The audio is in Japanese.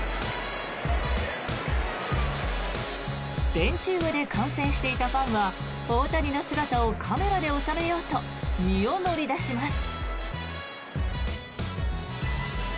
ベンチ上で観戦していたファンは大谷の姿をカメラで収めようと身を乗り出します。